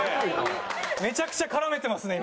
めちゃくちゃ絡めてますね